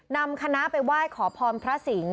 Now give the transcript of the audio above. นำคณะไปไหว้ขอพรพระสิงห